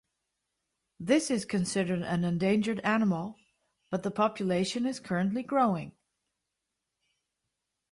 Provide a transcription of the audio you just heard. This is considered an endangered animal, but the population is currently growing.